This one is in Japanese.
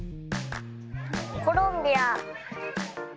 コロンビア。